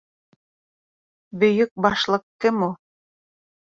Бөйөк Башлыҡ кем ул?